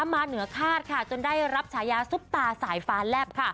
มาเหนือฆาตจนได้รับฉายาสุปตาสายฟ้าแลบ